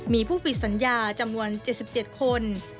มีผู้ปิดสัญญาจำนวน๗๗คน